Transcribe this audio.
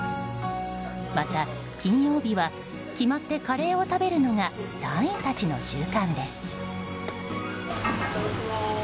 また金曜日は決まってカレーを食べるのが隊員たちの習慣です。